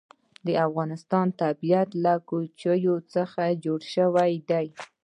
د افغانستان طبیعت له کوچیان څخه جوړ شوی دی.